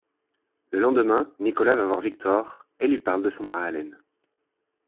Le lendemain, Nicholas va voir Victor et lui parle de Sandra Allen.